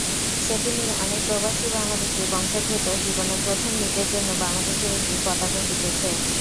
সেদিনই অনেক প্রবাসী বাংলাদেশি বংশোদ্ভূত জীবনে প্রথম নিজের জন্য বাংলাদেশের একটি পতাকা খুঁজেছে।